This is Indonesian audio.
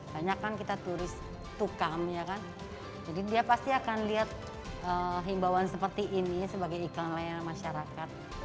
banyak kan kita turis tukang ya kan jadi dia pasti akan lihat himbauan seperti ini sebagai iklan layanan masyarakat